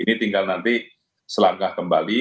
ini tinggal nanti selangkah kembali